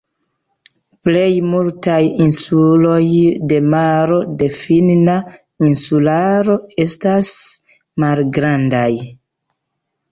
Plej multaj insuloj de Maro de Finna insularo estas malgrandaj.